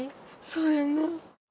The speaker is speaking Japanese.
そうやんな。